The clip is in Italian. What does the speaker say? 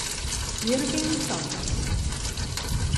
Irving Thomas